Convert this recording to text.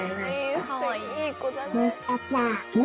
いい子だね。